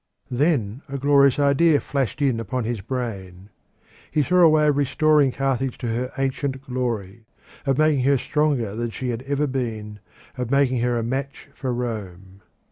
Then a glorious idea flashed in upon his brain. He saw a way of restoring Carthage to her ancient glory, of making her stronger than she had ever been, of making her a match for Rome.